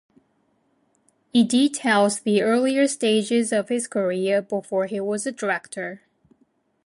It details the earlier stages of his career, before he was a director.